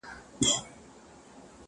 یو سړی وو یو یې سپی وو یو یې خروو٫